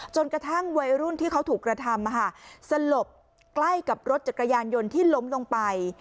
จนกระทั่งวัยรุ่นที่เขาถูกกระทำสลบใกล้กับรถจักรยานยนต์ที่ล้มลงไป